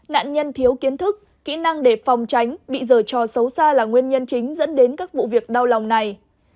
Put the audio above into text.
nạn nhân thiếu kiến thức kỹ năng để phòng tránh bị dời trò xấu xa là nguyên nhân chính dẫn đến các vụ việc đau lòng này